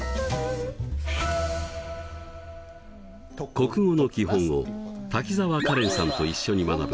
国語の基本を滝沢カレンさんと一緒に学ぶ